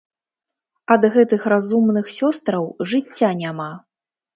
Ад гэтых разумных сёстраў жыцця няма.